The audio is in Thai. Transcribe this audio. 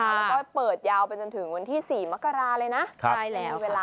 แล้วก็เปิดยาวไปจนถึงวันที่๔มกราเลยนะใช่แล้วเวลา